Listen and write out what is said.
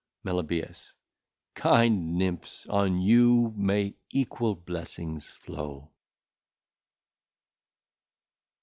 Meli. Kind Nymphs on you may Equal Blessings flow.